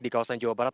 di kawasan jawa barat